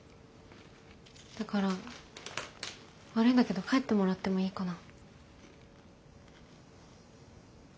だから悪いんだけど帰ってもらってもいいかな。